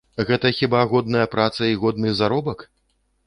Гэта хіба годная праца і годны заробак?